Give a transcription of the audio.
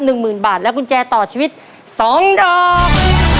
หมื่นบาทและกุญแจต่อชีวิตสองดอก